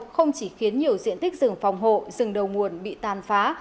không chỉ khiến nhiều diện tích rừng phòng hộ rừng đầu nguồn bị tàn phá